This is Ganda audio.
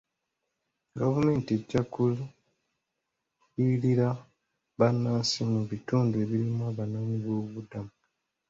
Gavumenti ejja kuliyirira bannansi mu bitundu ebirimu abanoonyi boobubudamu.